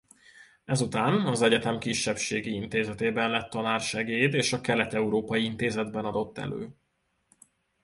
Ezután az egyetem Kisebbségi Intézetében lett tanársegéd és a Kelet-Európai Intézetben adott elő.